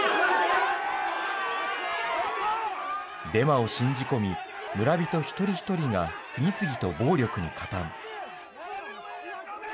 デマを信じ込み、村人一人一人が次々と暴力に加担。